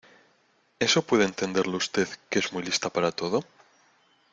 ¿ eso puede entenderlo usted que es muy lista para todo?